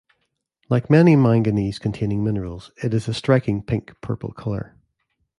Like many manganese-containing minerals, it is a striking pink purple color.